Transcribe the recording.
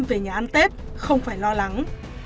về nhà ăn tết không phải lo lắng